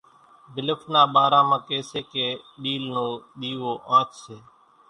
ڀلڦ نا ٻارا مان ڪي سي ڪي ڏِيل نو ۮيوو آنڇ سي۔